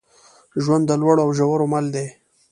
ژوند د لوړو او ژورو مل دی.